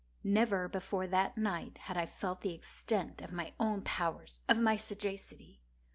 Never before that night had I felt the extent of my own powers—of my sagacity.